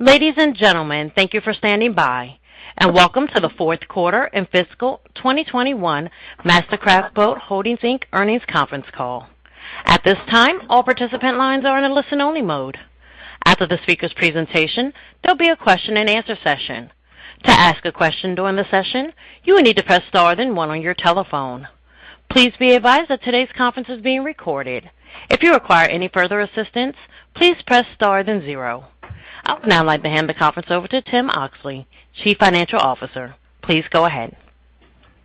Ladies and gentlemen, thank you for standing by, and welcome to the fourth quarter and fiscal 2021 MasterCraft Boat Holdings, Inc. earnings conference call. At this time, all participant lines are in a listen-only mode. After the speakers' presentation, there will be a question-and-answer session. To ask a question during the session, you will need to press star then one on your telephone. Please be advised that today's conference is being recorded. If you require any further assistance, please press star then zero. I would now like to hand the conference over to Tim Oxley, Chief Financial Officer. Please go ahead.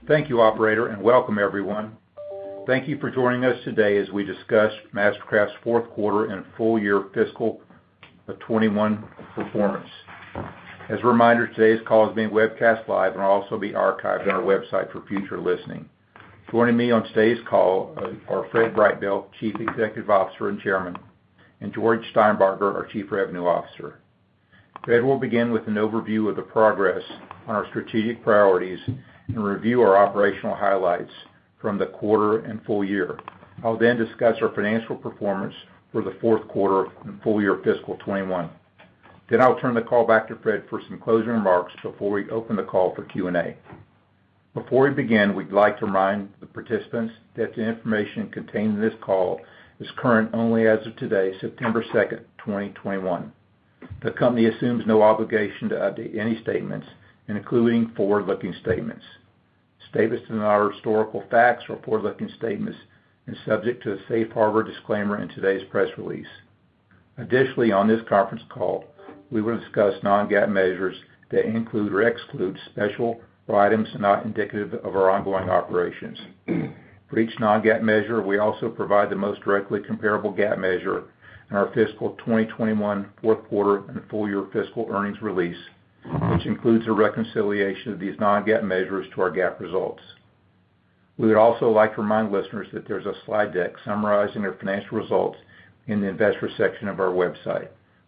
Thank you, operator, and welcome everyone. Thank you for joining us today as we discuss MasterCraft's fourth quarter and full year fiscal 2021 performance. As a reminder, today's call is being webcast live and will also be archived on our website for future listening. Joining me on today's call are Fred Brightbill, Chief Executive Officer and Chairman, and George Steinbarger, our Chief Revenue Officer. Fred will begin with an overview of the progress on our strategic priorities and review our operational highlights from the quarter and full year. I'll then discuss our financial performance for the fourth quarter and full year fiscal 2021. I'll turn the call back to Fred for some closing remarks before we open the call for Q&A. Before we begin, we'd like to remind the participants that the information contained in this call is current only as of today, September 2nd, 2021. The company assumes no obligation to update any statements, including forward-looking statements. Statements that are not historical facts or forward-looking statements are subject to the safe harbor disclaimer in today's press release. Additionally, on this conference call, we will discuss non-GAAP measures that include or exclude special items not indicative of our ongoing operations. For each non-GAAP measure, we also provide the most directly comparable GAAP measure in our fiscal 2021 fourth quarter and full year fiscal earnings release, which includes a reconciliation of these non-GAAP measures to our GAAP results. We would also like to remind listeners that there's a slide deck summarizing our financial results in the investor section of our website.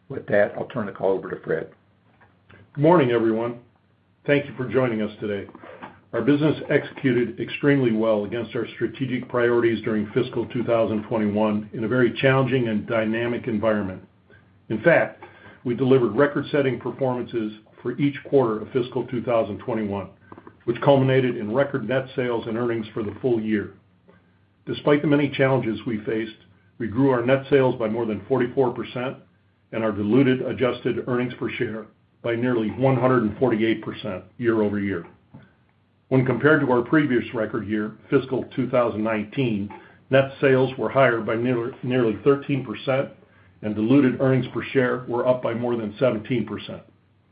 With that, I'll turn the call over to Fred. Good morning, everyone. Thank you for joining us today. Our business executed extremely well against our strategic priorities during fiscal 2021 in a very challenging and dynamic environment. In fact, we delivered record-setting performances for each quarter of fiscal 2021, which culminated in record net sales and earnings for the full year. Despite the many challenges we faced, we grew our net sales by more than 44% and our diluted adjusted earnings per share by nearly 148% year-over-year. When compared to our previous record year, fiscal 2019, net sales were higher by nearly 13%, and diluted earnings per share were up by more than 17%,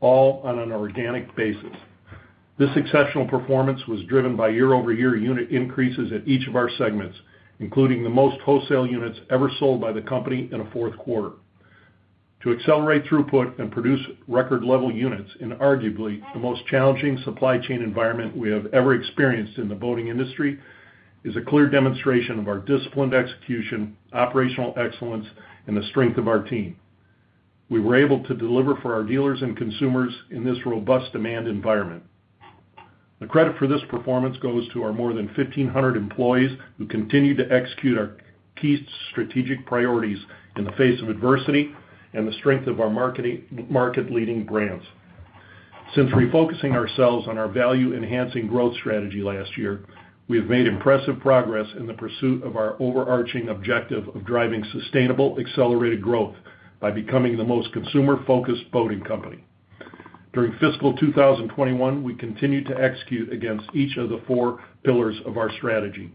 all on an organic basis. This exceptional performance was driven by year-over-year unit increases at each of our segments, including the most wholesale units ever sold by the company in a fourth quarter. To accelerate throughput and produce record level units in arguably the most challenging supply chain environment we have ever experienced in the boating industry is a clear demonstration of our disciplined execution, operational excellence, and the strength of our team. We were able to deliver for our dealers and consumers in this robust demand environment. The credit for this performance goes to our more than 1,500 employees who continue to execute our key strategic priorities in the face of adversity and the strength of our market-leading brands. Since refocusing ourselves on our value-enhancing growth strategy last year, we have made impressive progress in the pursuit of our overarching objective of driving sustainable, accelerated growth by becoming the most consumer-focused boating company. During fiscal 2021, we continued to execute against each of the four pillars of our strategy: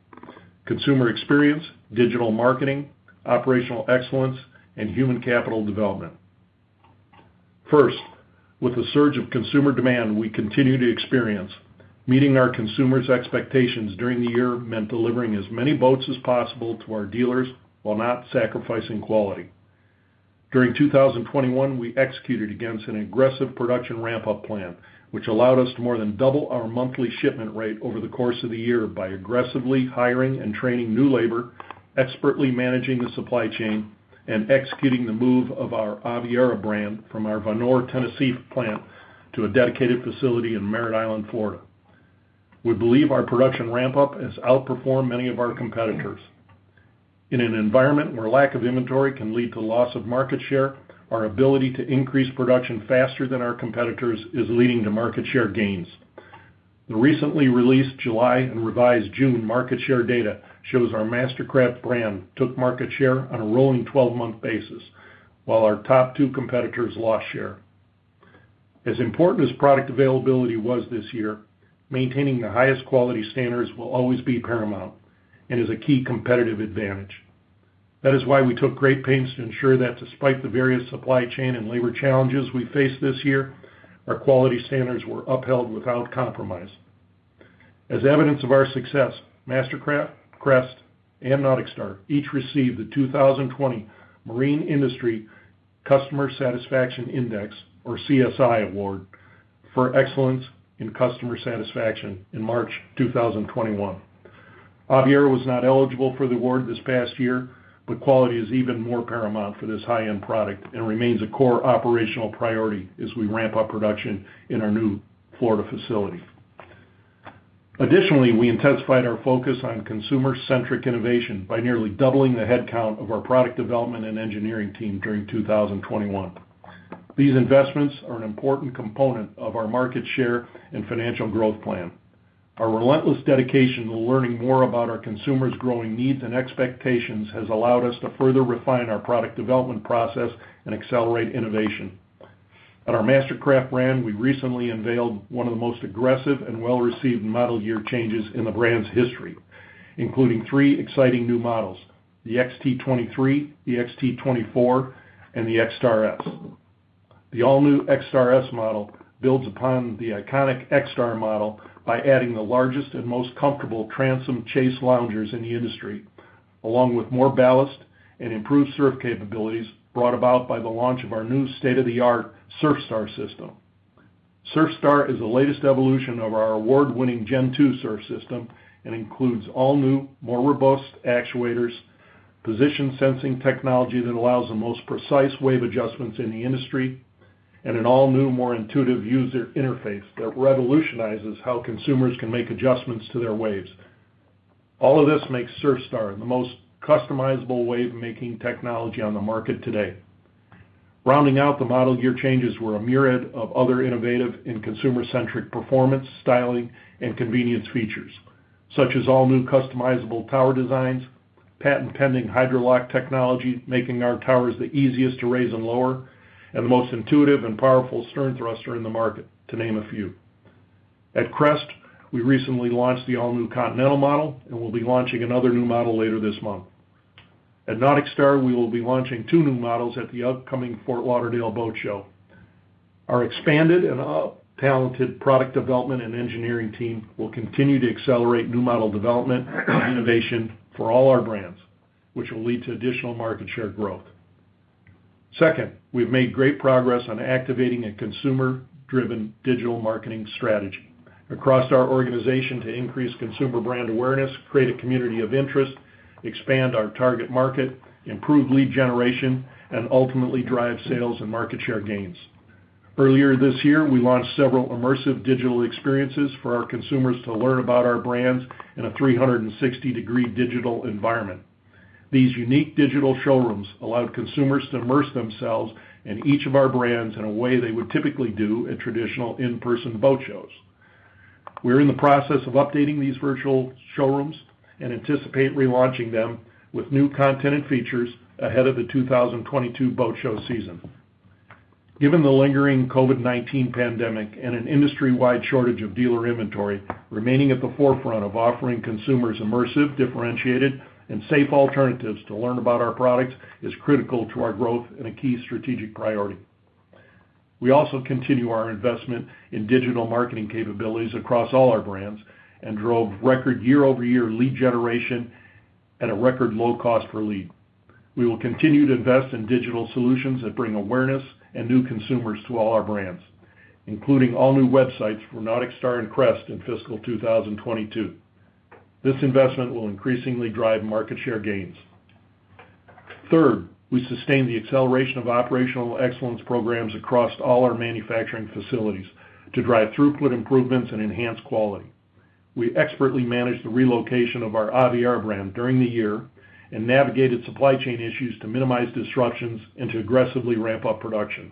consumer experience, digital marketing, operational excellence, and human capital development. First, with the surge of consumer demand we continue to experience, meeting our consumers' expectations during the year meant delivering as many boats as possible to our dealers while not sacrificing quality. During 2021, we executed against an aggressive production ramp-up plan, which allowed us to more than double our monthly shipment rate over the course of the year by aggressively hiring and training new labor, expertly managing the supply chain, and executing the move of our Aviara brand from our Van Lear, Tennessee plant to a dedicated facility in Merritt Island, Florida. We believe our production ramp-up has outperformed many of our competitors. In an environment where lack of inventory can lead to loss of market share, our ability to increase production faster than our competitors is leading to market share gains. The recently released July and revised June market share data shows our MasterCraft brand took market share on a rolling 12-month basis, while our top two competitors lost share. As important as product availability was this year, maintaining the highest quality standards will always be paramount and is a key competitive advantage. That is why we took great pains to ensure that despite the various supply chain and labor challenges we faced this year, our quality standards were upheld without compromise. As evidence of our success, MasterCraft, Crest, and NauticStar each received the 2020 Marine Industry Customer Satisfaction Index, or CSI Award, for excellence in customer satisfaction in March 2021. Aviara was not eligible for the award this past year, but quality is even more paramount for this high-end product and remains a core operational priority as we ramp up production in our new Florida facility. Additionally, we intensified our focus on consumer-centric innovation by nearly doubling the headcount of our product development and engineering team during 2021. These investments are an important component of our market share and financial growth plan. Our relentless dedication to learning more about our consumers' growing needs and expectations has allowed us to further refine our product development process and accelerate innovation. At our MasterCraft brand, we recently unveiled one of the most aggressive and well-received model year changes in the brand's history, including three exciting new models, the XT23, the XT24, and the XStar S. The all-new XStar S model builds upon the iconic XStar model by adding the largest and most comfortable transom chase loungers in the industry, along with more ballast and improved surf capabilities brought about by the launch of our new state-of-the-art SurfStar system. SurfStar is the latest evolution of our award-winning Gen 2 Surf system and includes all-new, more robust actuators, position-sensing technology that allows the most precise wave adjustments in the industry, and an all-new, more intuitive user interface that revolutionizes how consumers can make adjustments to their waves. All of this makes SurfStar the most customizable wave-making technology on the market today. Rounding out the model year changes were a myriad of other innovative and consumer-centric performance, styling, and convenience features, such as all-new customizable tower designs, patent-pending Hydro-Lock technology, making our towers the easiest to raise and lower, and the most intuitive and powerful stern thruster in the market, to name a few. At Crest, we recently launched the all-new Continental model, and we'll be launching another new model later this month. At NauticStar, we will be launching two new models at the upcoming Fort Lauderdale Boat Show. Our expanded and talented product development and engineering team will continue to accelerate new model development and innovation for all our brands, which will lead to additional market share growth. We've made great progress on activating a consumer-driven digital marketing strategy across our organization to increase consumer brand awareness, create a community of interest, expand our target market, improve lead generation, and ultimately drive sales and market share gains. Earlier this year, we launched several immersive digital experiences for our consumers to learn about our brands in a 360-degree digital environment. These unique digital showrooms allowed consumers to immerse themselves in each of our brands in a way they would typically do at traditional in-person boat shows. We're in the process of updating these virtual showrooms and anticipate relaunching them with new content and features ahead of the 2022 boat show season. Given the lingering COVID-19 pandemic and an industry-wide shortage of dealer inventory, remaining at the forefront of offering consumers immersive, differentiated, and safe alternatives to learn about our products is critical to our growth and a key strategic priority. We also continue our investment in digital marketing capabilities across all our brands and drove record year-over-year lead generation at a record low cost per lead. We will continue to invest in digital solutions that bring awareness and new consumers to all our brands, including all-new websites for NauticStar and Crest in fiscal 2022. This investment will increasingly drive market share gains. Third, we sustained the acceleration of operational excellence programs across all our manufacturing facilities to drive throughput improvements and enhance quality. We expertly managed the relocation of our Aviara brand during the year and navigated supply chain issues to minimize disruptions and to aggressively ramp up production.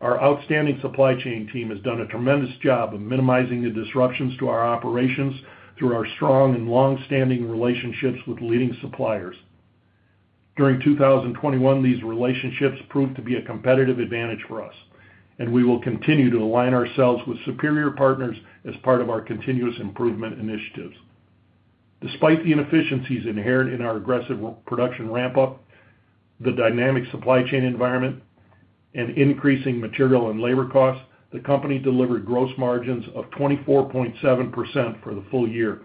Our outstanding supply chain team has done a tremendous job of minimizing the disruptions to our operations through our strong and longstanding relationships with leading suppliers. During 2021, these relationships proved to be a competitive advantage for us, and we will continue to align ourselves with superior partners as part of our continuous improvement initiatives. Despite the inefficiencies inherent in our aggressive production ramp-up, the dynamic supply chain environment, and increasing material and labor costs, the company delivered gross margins of 24.7% for the full year,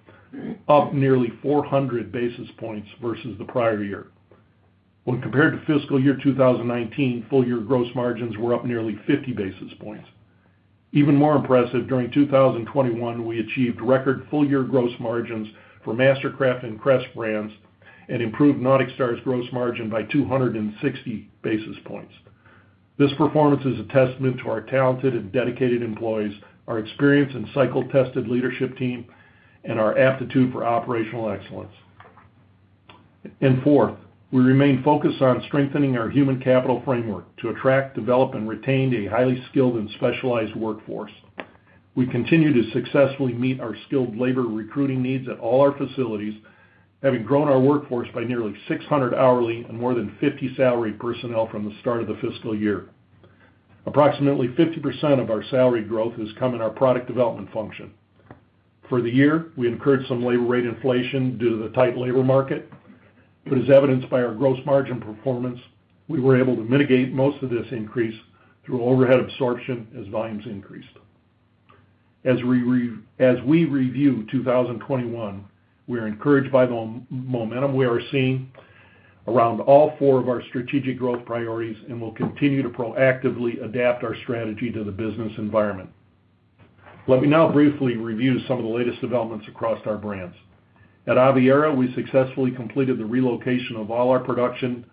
up nearly 400 basis points versus the prior year. When compared to fiscal year 2019, full-year gross margins were up nearly 50 basis points. Even more impressive, during 2021, we achieved record full-year gross margins for MasterCraft and Crest brands and improved NauticStar's gross margin by 260 basis points. This performance is a testament to our talented and dedicated employees, our experienced and cycle-tested leadership team, and our aptitude for operational excellence. Fourth, we remain focused on strengthening our human capital framework to attract, develop, and retain a highly skilled and specialized workforce. We continue to successfully meet our skilled labor recruiting needs at all our facilities, having grown our workforce by nearly 600 hourly and more than 50 salaried personnel from the start of the fiscal year. Approximately 50% of our salary growth has come in our product development function. For the year, we incurred some labor rate inflation due to the tight labor market, but as evidenced by our gross margin performance, we were able to mitigate most of this increase through overhead absorption as volumes increased. As we review 2021, we are encouraged by the momentum we are seeing around all four of our strategic growth priorities and will continue to proactively adapt our strategy to the business environment. Let me now briefly review some of the latest developments across our brands. At Aviara, we successfully completed the relocation of all our production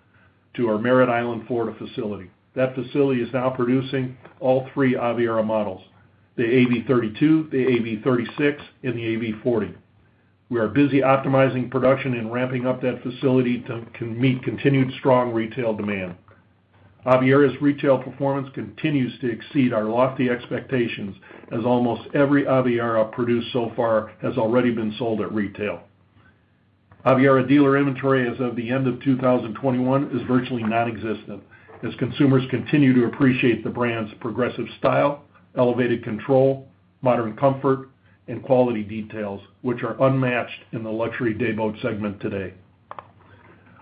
to our Merritt Island, Florida facility. That facility is now producing all three Aviara models: the AV32, the AV36, and the AV40. We are busy optimizing production and ramping up that facility to meet continued strong retail demand. Aviara's retail performance continues to exceed our lofty expectations, as almost every Aviara produced so far has already been sold at retail. Aviara dealer inventory as of the end of 2021 is virtually nonexistent, as consumers continue to appreciate the brand's progressive style, elevated control, modern comfort, and quality details, which are unmatched in the luxury day boat segment today.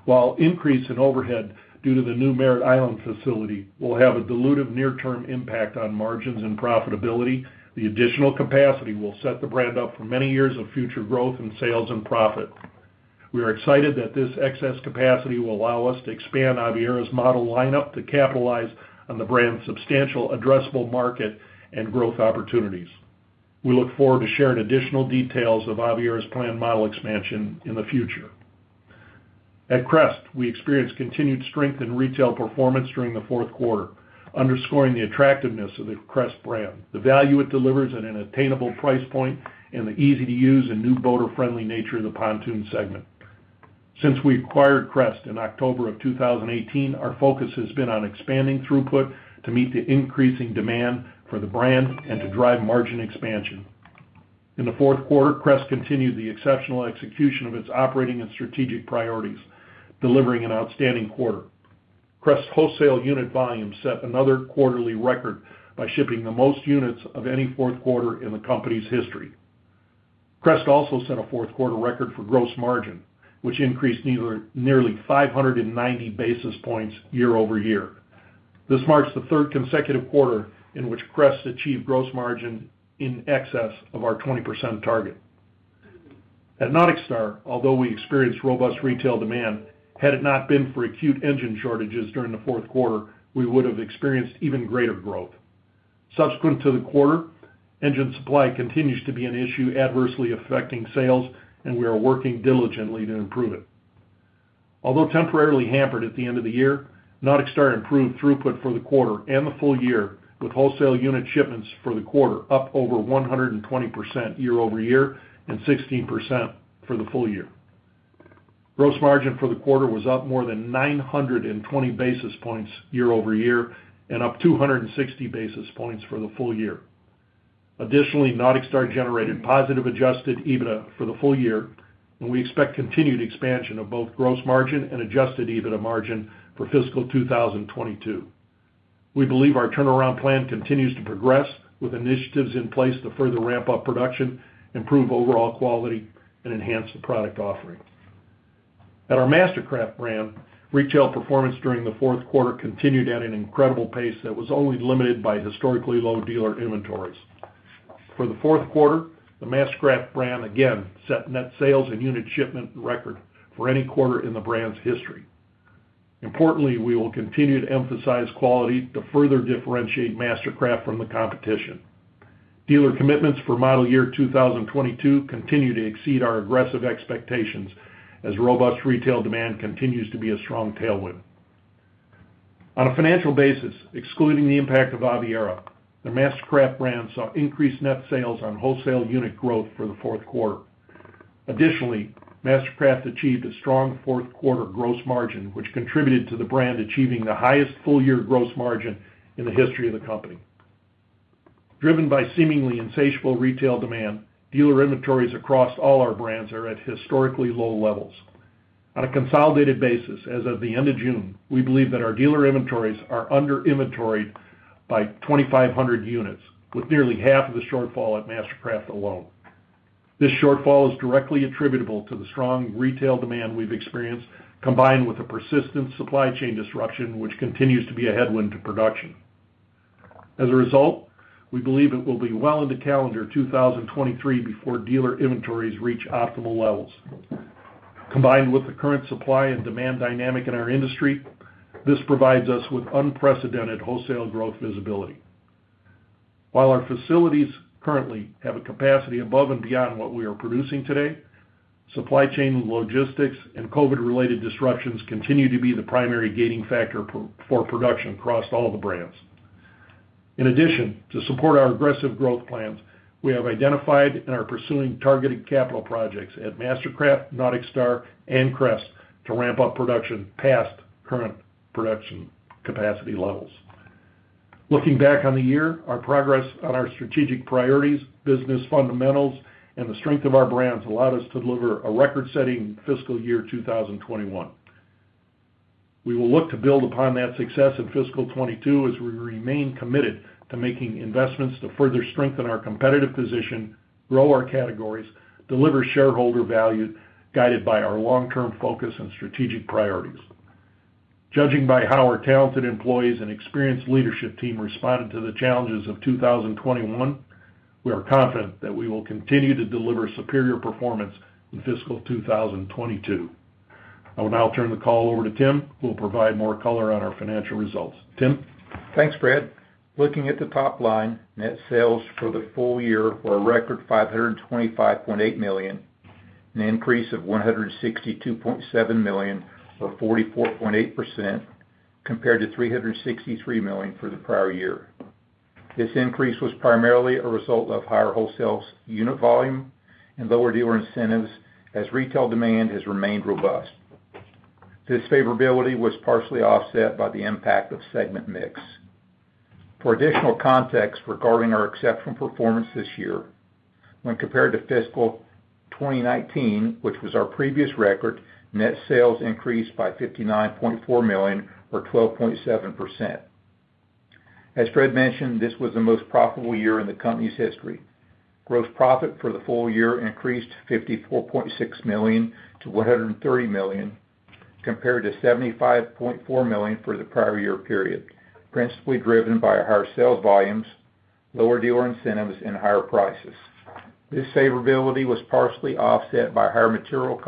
While increase in overhead due to the new Merritt Island facility will have a dilutive near-term impact on margins and profitability, the additional capacity will set the brand up for many years of future growth in sales and profit. We are excited that this excess capacity will allow us to expand Aviara's model lineup to capitalize on the brand's substantial addressable market and growth opportunities. We look forward to sharing additional details of Aviara's planned model expansion in the future. At Crest, we experienced continued strength in retail performance during the fourth quarter, underscoring the attractiveness of the Crest brand, the value it delivers at an attainable price point, and the easy-to-use and new boater-friendly nature of the pontoon segment. Since we acquired Crest in October of 2018, our focus has been on expanding throughput to meet the increasing demand for the brand and to drive margin expansion. In the fourth quarter, Crest continued the exceptional execution of its operating and strategic priorities, delivering an outstanding quarter. Crest wholesale unit volume set another quarterly record by shipping the most units of any fourth quarter in the company's history. Crest also set a fourth-quarter record for gross margin, which increased nearly 590 basis points year-over-year. This marks the third consecutive quarter in which Crest achieved gross margin in excess of our 20% target. At NauticStar, although we experienced robust retail demand, had it not been for acute engine shortages during the fourth quarter, we would have experienced even greater growth. Subsequent to the quarter, engine supply continues to be an issue adversely affecting sales, and we are working diligently to improve it. Although temporarily hampered at the end of the year, NauticStar improved throughput for the quarter and the full year, with wholesale unit shipments for the quarter up over 120% year-over-year and 16% for the full year. Gross margin for the quarter was up more than 920 basis points year-over-year and up 260 basis points for the full year. Additionally, NauticStar generated positive adjusted EBITDA for the full year, and we expect continued expansion of both gross margin and adjusted EBITDA margin for fiscal 2022. We believe our turnaround plan continues to progress, with initiatives in place to further ramp up production, improve overall quality, and enhance the product offering. At our MasterCraft brand, retail performance during the fourth quarter continued at an incredible pace that was only limited by historically low dealer inventories. For the fourth quarter, the MasterCraft brand again set net sales and unit shipment record for any quarter in the brand's history. Importantly, we will continue to emphasize quality to further differentiate MasterCraft from the competition. Dealer commitments for model year 2022 continue to exceed our aggressive expectations as robust retail demand continues to be a strong tailwind. On a financial basis, excluding the impact of Aviara, the MasterCraft brand saw increased net sales on wholesale unit growth for the fourth quarter. Additionally, MasterCraft achieved a strong fourth quarter gross margin, which contributed to the brand achieving the highest full-year gross margin in the history of the company. Driven by seemingly insatiable retail demand, dealer inventories across all our brands are at historically low levels. On a consolidated basis, as of the end of June, we believe that our dealer inventories are under-inventoried by 2,500 units, with nearly half of the shortfall at MasterCraft alone. This shortfall is directly attributable to the strong retail demand we've experienced, combined with the persistent supply chain disruption, which continues to be a headwind to production. We believe it will be well into calendar 2023 before dealer inventories reach optimal levels. Combined with the current supply and demand dynamic in our industry, this provides us with unprecedented wholesale growth visibility. While our facilities currently have a capacity above and beyond what we are producing today, supply chain logistics and COVID-related disruptions continue to be the primary gating factor for production across all the brands. In addition, to support our aggressive growth plans, we have identified and are pursuing targeted capital projects at MasterCraft, NauticStar, and Crest to ramp up production past current production capacity levels. Looking back on the year, our progress on our strategic priorities, business fundamentals, and the strength of our brands allowed us to deliver a record-setting fiscal year 2021. We will look to build upon that success in fiscal 2022 as we remain committed to making investments to further strengthen our competitive position, grow our categories, deliver shareholder value, guided by our long-term focus and strategic priorities. Judging by how our talented employees and experienced leadership team responded to the challenges of 2021, we are confident that we will continue to deliver superior performance in fiscal 2022. I will now turn the call over to Tim, who will provide more color on our financial results. Tim? Thanks, Fred. Looking at the top line, net sales for the full year were a record $525.8 million. An increase of $162.7 million, or 44.8%, compared to $363 million for the prior year. This increase was primarily a result of higher wholesale unit volume and lower dealer incentives, as retail demand has remained robust. This favorability was partially offset by the impact of segment mix. For additional context regarding our exceptional performance this year, when compared to fiscal 2019, which was our previous record, net sales increased by $59.4 million or 12.7%. As Fred mentioned, this was the most profitable year in the company's history. Gross profit for the full year increased to $54.6 million to $130 million, compared to $75.4 million for the prior year period, principally driven by higher sales volumes, lower dealer incentives, and higher prices. This favorability was partially offset by higher material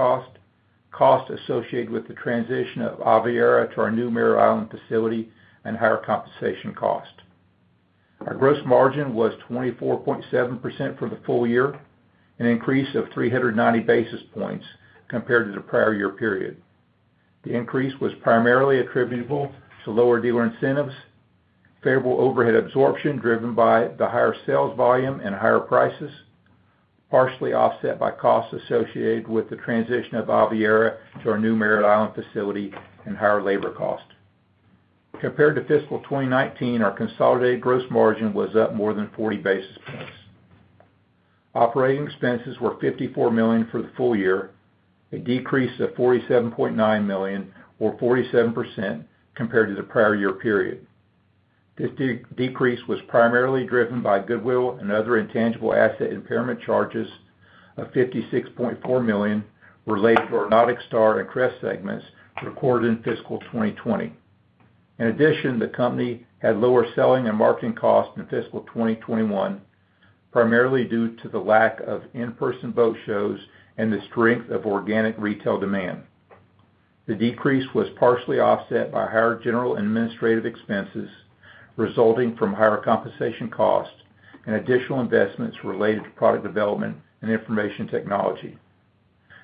cost associated with the transition of Aviara to our new Merritt Island facility, and higher compensation cost. Our gross margin was 24.7% for the full year, an increase of 390 basis points compared to the prior year period. The increase was primarily attributable to lower dealer incentives, favorable overhead absorption driven by the higher sales volume and higher prices, partially offset by costs associated with the transition of Aviara to our new Merritt Island facility and higher labor cost. Compared to fiscal 2019, our consolidated gross margin was up more than 40 basis points. Operating expenses were $54 million for the full year, a decrease of $47.9 million or 47% compared to the prior year period. This decrease was primarily driven by goodwill and other intangible asset impairment charges of $56.4 million related to our NauticStar and Crest segments recorded in fiscal 2020. In addition, the company had lower selling and marketing costs in fiscal 2021, primarily due to the lack of in-person boat shows and the strength of organic retail demand. The decrease was partially offset by higher general and administrative expenses resulting from higher compensation costs and additional investments related to product development and information technology.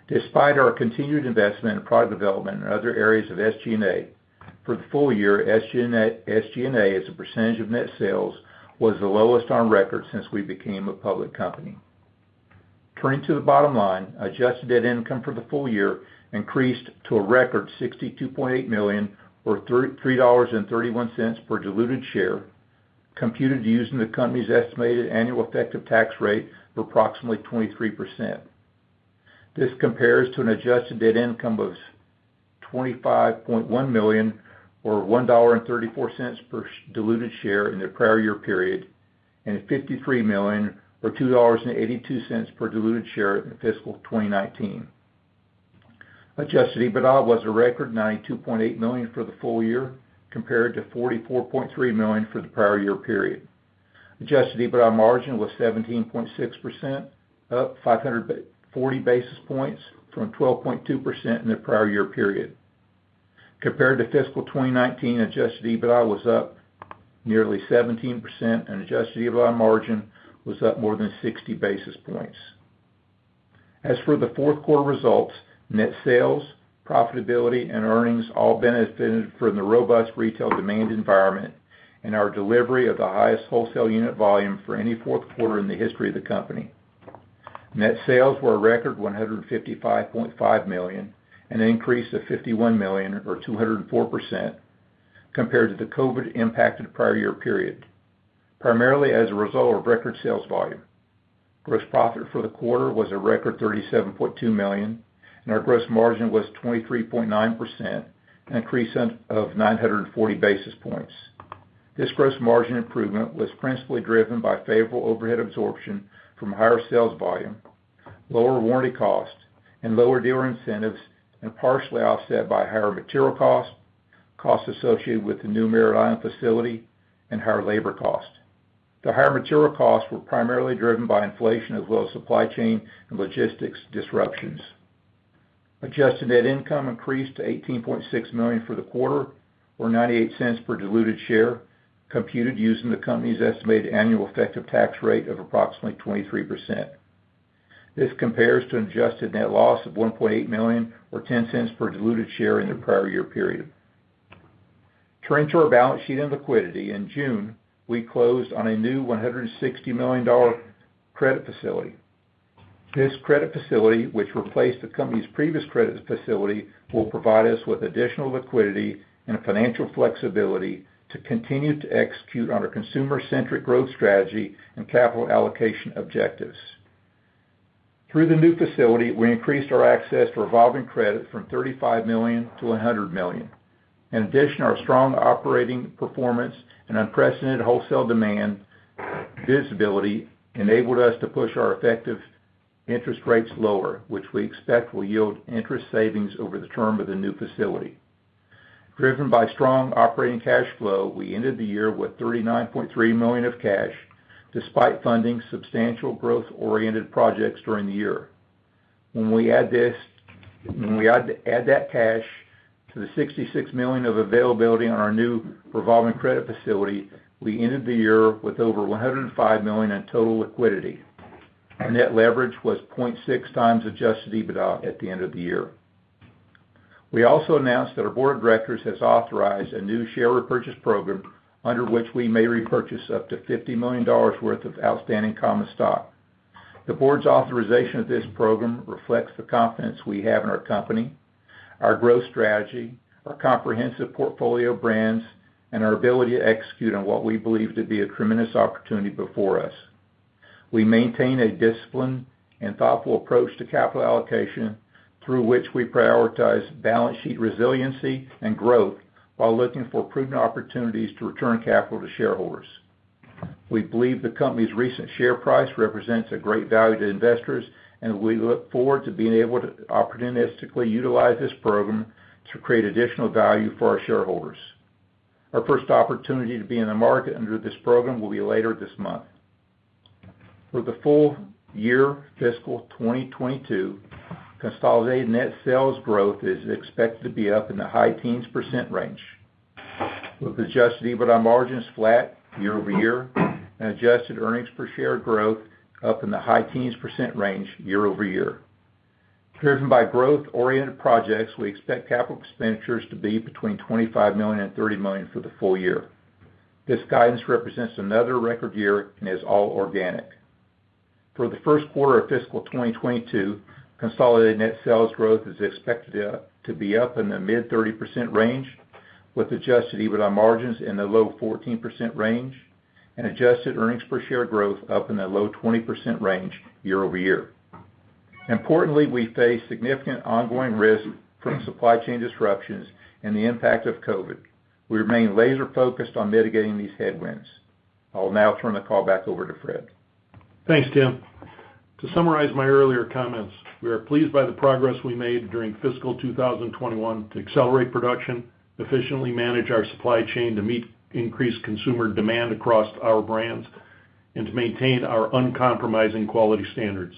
Despite our continued investment in product development and other areas of SG&A, for the full year, SG&A, as a percentage of net sales, was the lowest on record since we became a public company. Turning to the bottom line, adjusted net income for the full year increased to a record $62.8 million or $3.31 per diluted share, computed using the company's estimated annual effective tax rate of approximately 23%. This compares to an adjusted net income of $25.1 million or $1.34 per diluted share in the prior year period and $53 million or $2.82 per diluted share in fiscal 2019. Adjusted EBITDA was a record $92.8 million for the full year, compared to $44.3 million for the prior year period. Adjusted EBITDA margin was 17.6%, up 540 basis points from 12.2% in the prior year period. Compared to fiscal 2019, Adjusted EBITDA was up nearly 17%, and Adjusted EBITDA margin was up more than 60 basis points. As for the fourth quarter results, net sales, profitability, and earnings all benefited from the robust retail demand environment and our delivery of the highest wholesale unit volume for any fourth quarter in the history of the company. Net sales were a record $155.5 million, an increase of $51 million or 204%, compared to the COVID-impacted prior year period, primarily as a result of record sales volume. Gross profit for the quarter was a record $37.2 million, and our gross margin was 23.9%, an increase of 940 basis points. This gross margin improvement was principally driven by favorable overhead absorption from higher sales volume, lower warranty costs, and lower dealer incentives, and partially offset by higher material costs associated with the new Merritt Island facility, and higher labor costs. The higher material costs were primarily driven by inflation as well as supply chain and logistics disruptions. Adjusted net income increased to $18.6 million for the quarter, or $0.98 per diluted share, computed using the company's estimated annual effective tax rate of approximately 23%. This compares to an adjusted net loss of $1.8 million or $0.10 per diluted share in the prior year period. Turning to our balance sheet and liquidity, in June, we closed on a new $160 million credit facility. This credit facility, which replaced the company's previous credit facility, will provide us with additional liquidity and financial flexibility to continue to execute on our consumer-centric growth strategy and capital allocation objectives. Through the new facility, we increased our access to revolving credit from $35 million to $100 million. In addition, our strong operating performance and unprecedented wholesale demand visibility enabled us to push our effective interest rates lower, which we expect will yield interest savings over the term of the new facility. Driven by strong operating cash flow, we ended the year with $39.3 million of cash, despite funding substantial growth-oriented projects during the year. When we add that cash to the $66 million of availability on our new revolving credit facility, we ended the year with over $105 million in total liquidity. Our net leverage was 0.6 times adjusted EBITDA at the end of the year. We also announced that our board of directors has authorized a new share repurchase program under which we may repurchase up to $50 million worth of outstanding common stock. The board's authorization of this program reflects the confidence we have in our company, our growth strategy, our comprehensive portfolio of brands, and our ability to execute on what we believe to be a tremendous opportunity before us. We maintain a disciplined and thoughtful approach to capital allocation, through which we prioritize balance sheet resiliency and growth while looking for prudent opportunities to return capital to shareholders. We believe the company's recent share price represents a great value to investors, and we look forward to being able to opportunistically utilize this program to create additional value for our shareholders. Our first opportunity to be in the market under this program will be later this month. For the full year fiscal 2022, consolidated net sales growth is expected to be up in the high teens % range with adjusted EBITDA margins flat year-over-year and adjusted earnings per share growth up in the high teens percent range year-over-year. Driven by growth-oriented projects, we expect capital expenditures to be between $25 million and $30 million for the full year. This guidance represents another record year and is all organic. For the first quarter of fiscal 2022, consolidated net sales growth is expected to be up in the mid 30% range, with adjusted EBITDA margins in the low 14% range and adjusted earnings per share growth up in the low 20% range year-over-year. Importantly, we face significant ongoing risks from supply chain disruptions and the impact of COVID. We remain laser-focused on mitigating these headwinds. I will now turn the call back over to Fred. Thanks, Tim. To summarize my earlier comments, we are pleased by the progress we made during fiscal 2021 to accelerate production, efficiently manage our supply chain to meet increased consumer demand across our brands, and to maintain our uncompromising quality standards.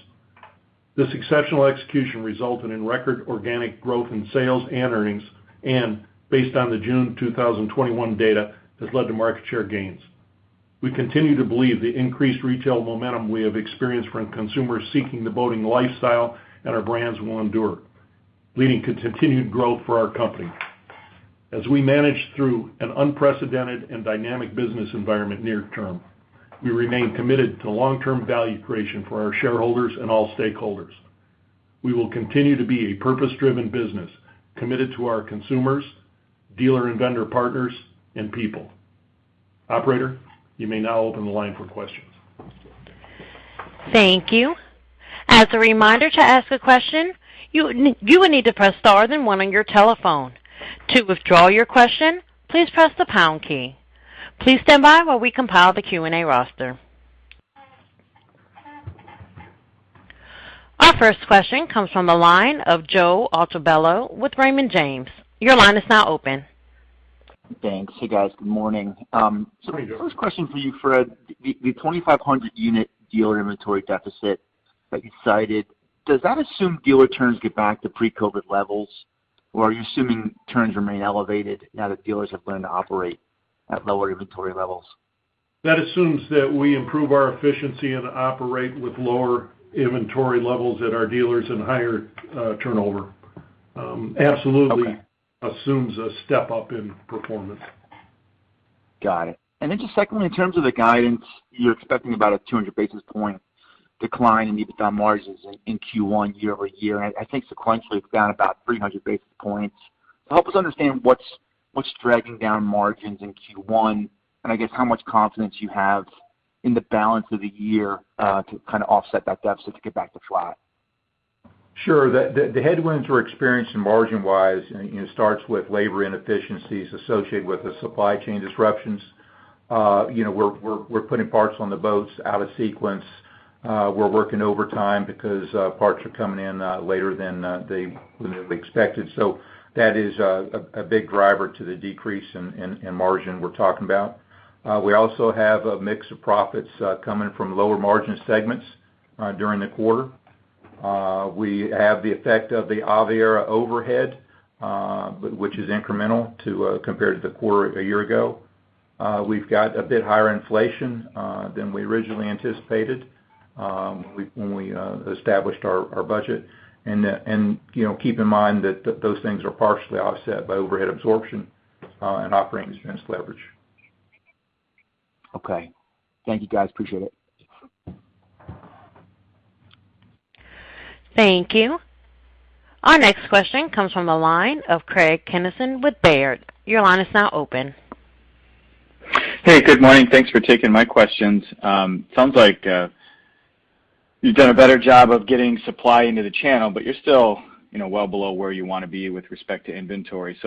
This exceptional execution resulted in record organic growth in sales and earnings and, based on the June 2021 data, has led to market share gains. We continue to believe the increased retail momentum we have experienced from consumers seeking the boating lifestyle and our brands will endure, leading to continued growth for our company. As we manage through an unprecedented and dynamic business environment near-term, we remain committed to long-term value creation for our shareholders and all stakeholders. We will continue to be a purpose-driven business committed to our consumers, dealer and vendor partners, and people. Operator, you may now open the line for questions. Thank you. As a reminder, to ask a question, you will need to press star then one on your telephone. To withdraw your question, please press the pound key. Please stand by while we compile the Q&A roster. Our first question comes from the line of Joseph Altobello with Raymond James. Your line is now open. Thanks. Hey, guys good morning. Good morning, Joe. The first question for you, Fred. The 2,500 unit dealer inventory deficit that you cited, does that assume dealer turns get back to pre-COVID levels, or are you assuming turns remain elevated now that dealers have learned to operate at lower inventory levels? That assumes that we improve our efficiency and operate with lower inventory levels at our dealers and higher turnover. Absolutely. Okay Assumes a step-up in performance. Got it. Just secondly, in terms of the guidance, you're expecting about a 200-basis-point decline in EBITDA margins in Q1 year-over-year, and I think sequentially down about 300 basis points. Help us understand what's dragging down margins in Q1, and I guess how much confidence you have in the balance of the year to kind of offset that deficit to get back to flat. Sure. The headwinds we're experiencing margin-wise starts with labor inefficiencies associated with the supply chain disruptions. We're putting parts on the boats out of sequence. We're working overtime because parts are coming in later than we expected. That is a big driver to the decrease in margin we're talking about. We also have a mix of profits coming from lower margin segments during the quarter. We have the effect of the Aviara overhead, which is incremental compared to the quarter a year ago. We've got a bit higher inflation than we originally anticipated when we established our budget. Keep in mind that those things are partially offset by overhead absorption and operating expense leverage. Okay. Thank you, guys. Appreciate it. Thank you. Our next question comes from the line of Craig Kennison with Baird. Your line is now open. Hey, good morning, thanks for taking my questions. Sounds like you've done a better job of getting supply into the channel, but you're still well below where you want to be with respect to inventory.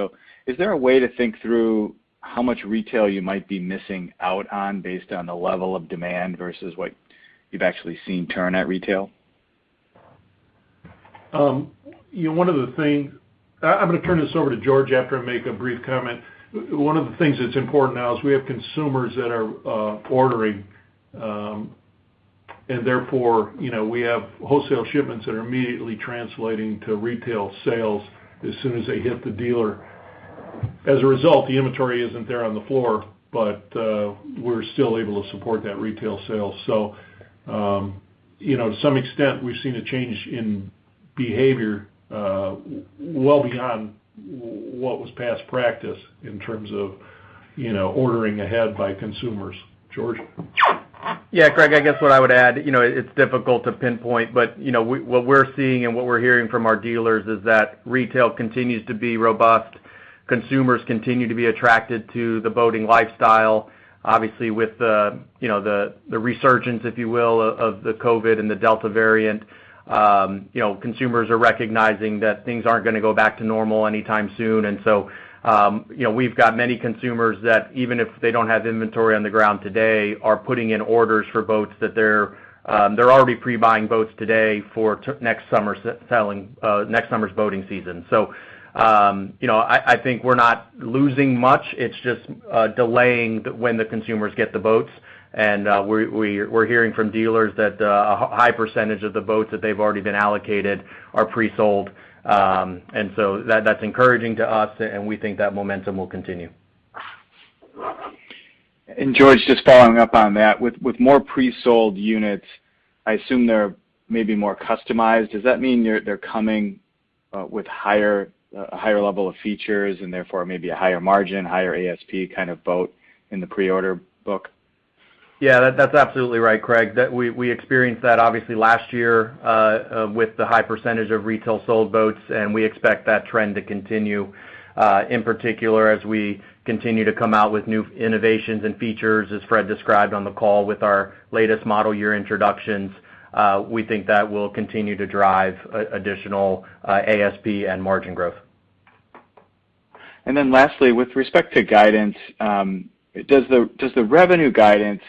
Is there a way to think through how much retail you might be missing out on based on the level of demand versus what you've actually seen turn at retail? I'm going to turn this over to George after I make a brief comment. One of the things that's important now is we have consumers that are ordering. Therefore, we have wholesale shipments that are immediately translating to retail sales as soon as they hit the dealer. As a result, the inventory isn't there on the floor, but we're still able to support that retail sale. To some extent, we've seen a change in behavior well beyond what was past practice in terms of ordering ahead by consumers. George? Yeah, Craig, I guess what I would add, it's difficult to pinpoint, but what we're seeing and what we're hearing from our dealers is that retail continues to be robust. Consumers continue to be attracted to the boating lifestyle. Obviously, with the resurgence, if you will, of the COVID and the Delta variant, consumers are recognizing that things aren't going to go back to normal anytime soon. We've got many consumers that, even if they don't have inventory on the ground today, are putting in orders for boats that they're already pre-buying boats today for next summer's boating season. I think we're not losing much. It's just delaying when the consumers get the boats. We're hearing from dealers that a high percentage of the boats that they've already been allocated are pre-sold. That's encouraging to us, and we think that momentum will continue. George, just following up on that, with more pre-sold units, I assume they're maybe more customized. Does that mean they're coming with a higher level of features and therefore maybe a higher margin, higher ASP kind of boat in the pre-order book? That's absolutely right, Craig. We experienced that obviously last year with the high percentage of retail sold boats, and we expect that trend to continue. In particular, as we continue to come out with new innovations and features, as Fred described on the call with our latest model year introductions, we think that will continue to drive additional ASP and margin growth. Lastly, with respect to guidance, does the revenue guidance,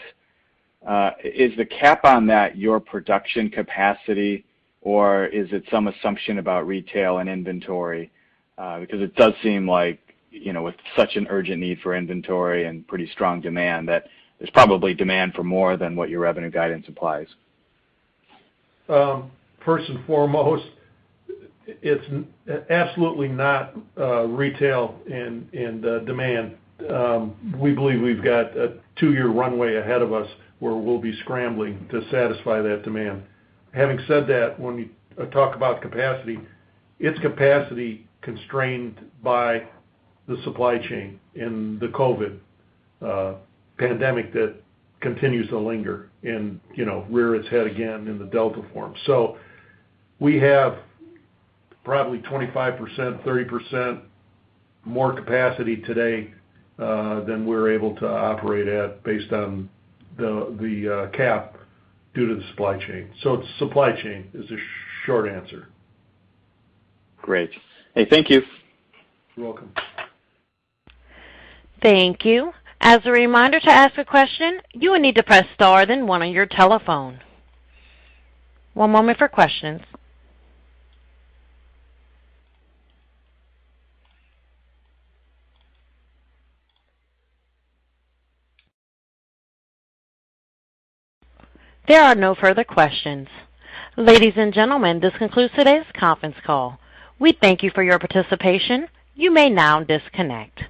is the cap on that your production capacity, or is it some assumption about retail and inventory? It does seem like with such an urgent need for inventory and pretty strong demand, that there's probably demand for more than what your revenue guidance applies. First and foremost, it's absolutely not retail and demand. We believe we've got a two-year runway ahead of us where we'll be scrambling to satisfy that demand. Having said that, when you talk about capacity, it's capacity constrained by the supply chain and the COVID pandemic that continues to linger and rear its head again in the Delta form. We have probably 25%, 30% more capacity today than we're able to operate at based on the cap due to the supply chain. It's supply chain is the short answer. Great. Hey, thank you. You're welcome. Thank you. As a reminder, to ask a question you will need to press star then one on your telephone. One moment for question. Ladies and gentlemen, this concludes today's conference call. We thank you for your participation. You may now disconnect.